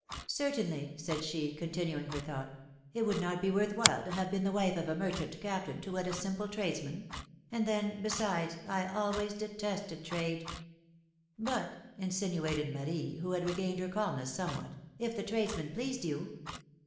Certainly," said she, continuing her thought, it Avould not be Avorth Avhile to have been the Avife of a merchant captain, to Aved a simple tradesman ; and, then, besides, I ahvays detested trade —" But," insinuated Marie, Avho had regained her calmness someAA^hat, ^^if the tradesman pleased you?"